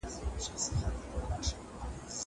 زه پرون ليک لولم وم.